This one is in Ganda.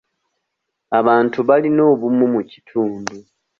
Abantu balina obumu mu kitundu.